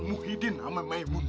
muhyiddin sama maemunah